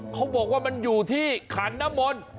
เขาบอกว่ามันอยู่ที่ขันน้ำมนต์